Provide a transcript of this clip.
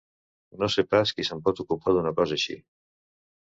No sé pas qui se'n pot ocupar, d'una cosa així.